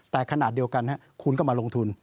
แต่ขณะเดียวกันคุณก็มาลงทุน